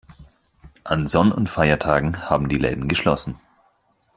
An Sonn- und Feiertagen haben die Läden geschlossen.